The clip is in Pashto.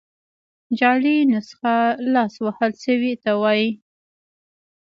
جعلي نسخه لاس وهل سوي ته وايي.